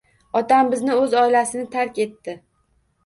Otam bizni, o`z oilasini tark etdi